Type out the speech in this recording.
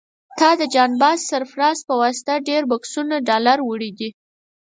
تا د جان باز سرفراز په واسطه ډېر بکسونه ډالر وړي دي.